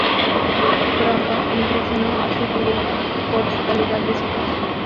Pronto impresionó a su gurú por su calidad de su voz.